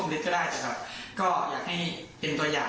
สมมุติว่ามีเหตุการณ์อีกเกิดขึ้นไม่ต้องเป็นหมอก็ได้นะครับ